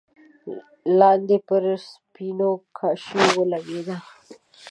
لاندې پر سپينو کاشيو ولګېده.